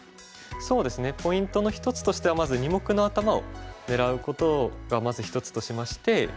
そうですねポイントの一つとしてはまず二目の頭を狙うことがまず一つとしまして。